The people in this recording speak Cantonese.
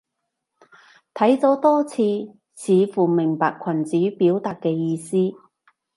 睇咗多次，似乎明白群主表達嘅意思